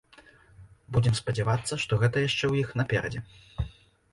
Будзем спадзявацца, што гэта яшчэ ў іх наперадзе!